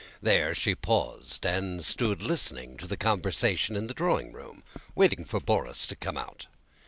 There she paused and stood listening to the conversation in the drawing room, waiting for Borís to come out.